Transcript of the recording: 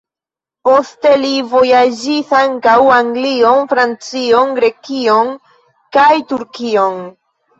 Poste li vojaĝis ankaŭ Anglion, Francion, Grekion kaj Turkion.